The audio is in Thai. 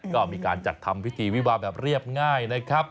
ก็มีการจัดความธรรมพิวเวทีวิบาปแบบเรียบง่าย